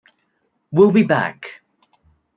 We'll be back.